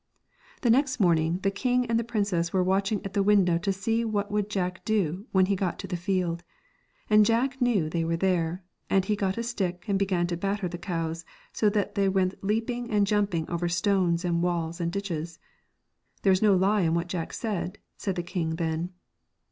The next morning, the king and the princess were watching at the window to see what would Jack do when he got to the field. And Jack knew they were there, and he got a stick, and began to batter the cows, that they went leaping and jump ing over stones, and walls, and ditches. 'There is no lie in what Jack said,' said the king then.